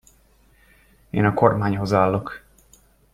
Én a kormányhoz állok.